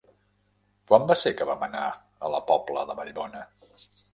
Quan va ser que vam anar a la Pobla de Vallbona?